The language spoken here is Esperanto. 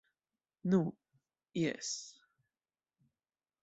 Nu, Jes.